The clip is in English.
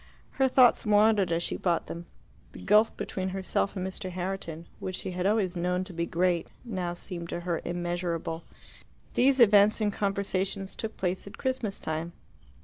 Her thoughts wandered as she bought them: the gulf between herself and Mr. Herriton, which she had always known to be great, now seemed to her immeasurable. These events and conversations took place at Christmas time.